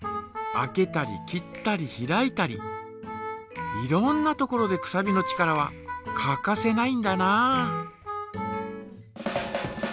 開けたり切ったり開いたりいろんなところでくさびの力は欠かせないんだな。